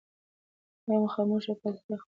هغه خاموشه پاتې کېدل خپله لویه مېړانه بولي.